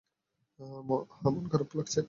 হ্যাঁ, মন খারাপ লাগছে।